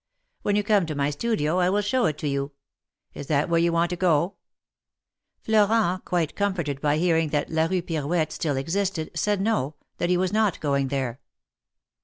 When you come to my studio I will show it to you. Is that where you want to go ?" Florent, quite comforted by hearing that la Rue Pirouette still existed, said no, that he was not going there.